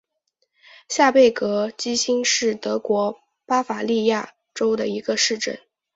下贝格基兴是德国巴伐利亚州的一个市镇。